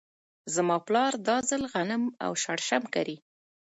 زما پلار دا ځل غنم او شړشم کري.